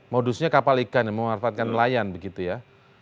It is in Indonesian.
modusnya kapal ikan yang memanfaatkan nelayan begitu ya